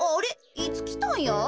いつきたんや？